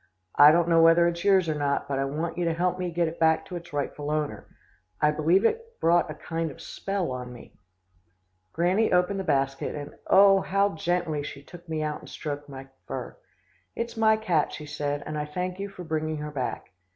I don't know whether it's yours or not, but I want you to help me get it back to its rightful owner. I believe it brought a kind of spell on me.' "Granny opened the basket, and oh! how gently she took me out and stroked my fur. 'It's my cat,' she said, 'and I thank you for bringing her back.